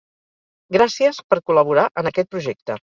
Gràcies per col·laborar en aquest projecte.